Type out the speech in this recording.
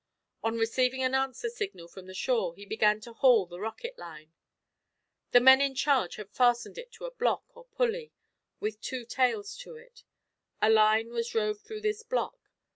On receiving an answering signal from the shore he began to haul on the rocket line. The men in charge had fastened to it a block, or pulley, with two tails to it; a line was rove through this block.